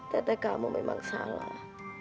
teteh kamu memang salah